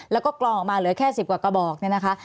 แล้วก็กรองออกมาเหลือแค่๑๐กว่ากระบอกเนี่ยนะคะ